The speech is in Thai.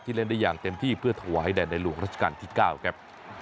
เล่นได้อย่างเต็มที่เพื่อถวายแด่ในหลวงราชการที่๙ครับ